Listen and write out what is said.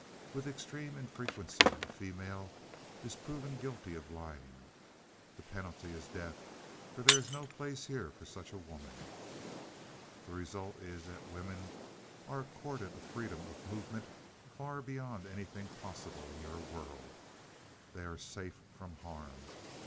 With extreme infrequency, a female is proven guilty of lying. The penalty is death, for there is no place here for such a woman! "The result is that women are accorded a freedom of movement far beyond anything possible in your world. They are safe from harm.